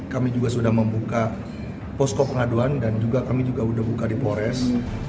kami juga sudah membuka posko pengaduan dan juga kami juga sudah buka di polres